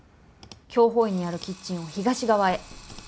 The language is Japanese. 凶方位にあるキッチンを東側へ。